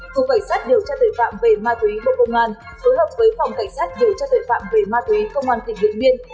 cục cảnh sát điều tra tội phạm về ma túy bộ công an phối hợp với phòng cảnh sát điều tra tội phạm về ma túy công an tỉnh điện biên